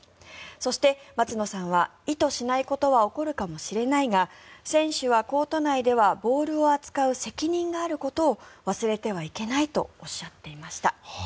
そして松野さんは意図しないことは起こるかもしれないが選手は、コート内ではボールを扱う責任があることを忘れてはいけないとおっしゃっていました。